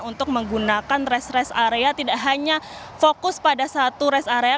untuk menggunakan rest rest area tidak hanya fokus pada satu rest area